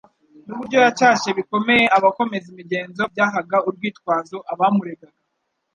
n'uburyo yacyashye bikomeye abakomeza imigenzo byahaga urwitwazo abamuregaga,